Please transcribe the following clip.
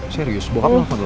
serius bokapnya nelfon dulu